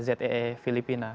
itu adalah wilayah zee filipina